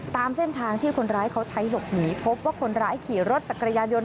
ตามเส้นทางที่คนร้ายเขาใช้หลบหนีพบว่าคนร้ายขี่รถจักรยานยนต์